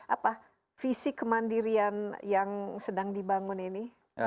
apa visi kemandirian yang sedang dibangun ini